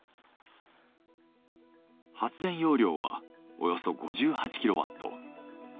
発電容量はおよそ５８キロワット。